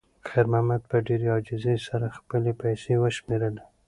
خیر محمد په ډېرې عاجزۍ سره خپلې پیسې وشمېرلې.